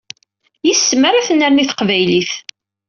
Yes-m ara tennerni teqbaylit.